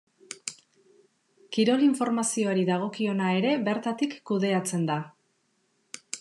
Kirol informazioari dagokiona ere bertatik kudeatzen da.